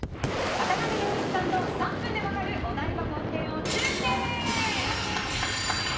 渡部陽一さんの３分で分かるお台場冒険王中継！